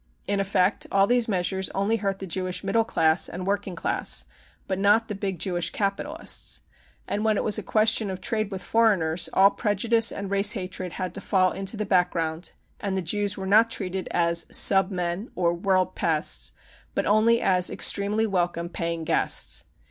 In effect, all these measures only hurt the Jewish middle class and working class but not the big Jewish capitalists. And when it was a question of trade with foreigners, all prejudice and race hatred had to fall into the background, and the Jews were not treated as cc Sub men 33 or " World Pests 33 but only as extremely welcome paying guests.